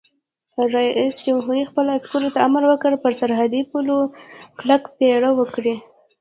رئیس جمهور خپلو عسکرو ته امر وکړ؛ پر سرحدي پولو کلک پیره وکړئ!